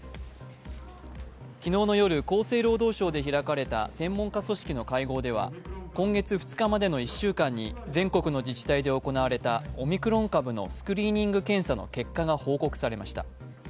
昨日の夜、厚生労働省で開かれた専門家組織の会合では今月２日までの１週間に全国の自治体で行われたオミクロン株のスクリーニング検査の結果が報告されました。